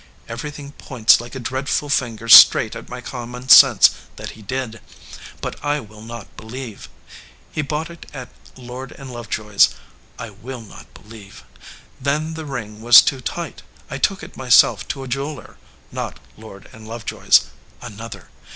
Everything points like a dreadful finger straight at my com mon sense that he did, but I will not believe. He bought it at Lord & Lovejoy s. I will not believe. Then the ring was too tight. I took it myself to a jeweler not Lord & Love joy s another.